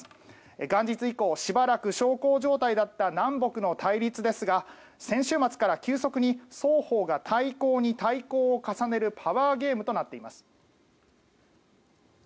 元日以降しばらく小康状態だった南北の対立ですが先週末から急速に双方が対抗に対抗を重ねるパワーゲームとなっています。